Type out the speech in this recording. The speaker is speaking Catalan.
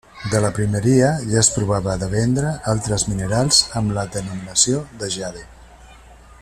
De la primeria ja es provava de vendre altres minerals amb la denominació de jade.